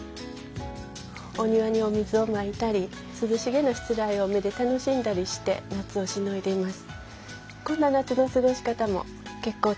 お庭にお水をまいたりすずしげなしつらえを目で楽しんだりして夏をしのいでいます。